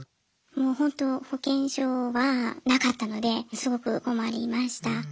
もうほんと保険証はなかったのですごく困りました。